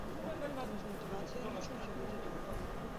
Таму з матывацыяй, лічу, усё будзе добра.